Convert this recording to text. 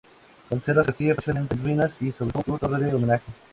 Conserva su castillo parcialmente en ruinas y, sobre todo, su torre del homenaje.